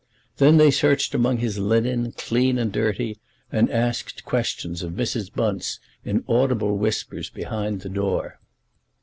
Then they searched among his linen, clean and dirty, and asked questions of Mrs. Bunce in audible whispers behind the door.